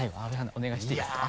お願いしていいですか？